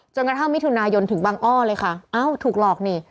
กระทั่งมิถุนายนถึงบังอ้อเลยค่ะเอ้าถูกหลอกนี่